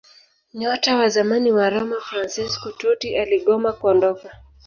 Nyota wa zamani wa Roma Fransesco Totti aligoma kuondoka